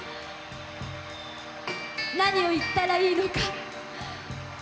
何を言ったらいいのか。